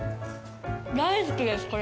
大好きです、これ。